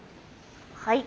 はい。